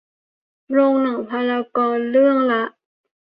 โรงหนังพารากอน เรื่องละ